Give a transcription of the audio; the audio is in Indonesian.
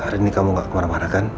hari ini kamu gak kemana mana kan